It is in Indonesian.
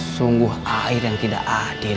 sungguh air yang tidak adil